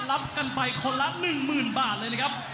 รับกันไปคนละ๑๐๐๐บาทเลยนะครับ